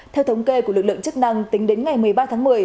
theo thống kê của lực lượng chức năng tính đến ngày một mươi ba tháng một mươi